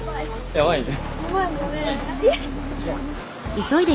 やばいよね。